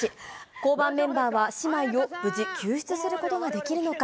交番メンバーは姉妹を無事救出することができるのか。